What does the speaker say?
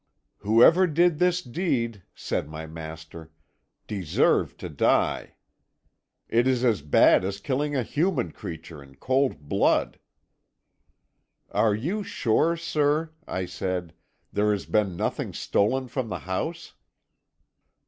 "'Whoever did this deed,' said my master, 'deserved to die. It is as bad as killing a human creature in cold blood.' "'Are you sure, sir,' I said, 'there has been nothing stolen from the house?'